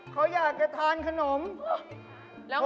เค้าอยากจะทานขนมแปลก